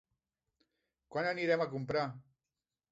Quan anirem a comprar?